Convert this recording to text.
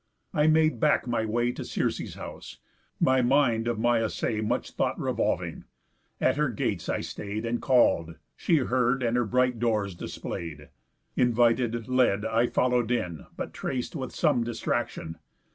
I made back my way To Circe's house, my mind of my assay Much thought revolving. At her gates I stay'd And call'd; she heard, and her bright doors display'd, Invited, led; I follow'd in, but trac'd With some distraction.